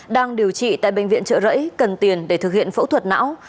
đang điều trị tại bệnh viện trợ rẫy cần tiền để thực hiện phẫu thuật não